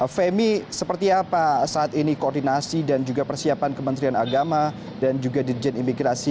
femi seperti apa saat ini koordinasi dan juga persiapan kementerian agama dan juga dirjen imigrasi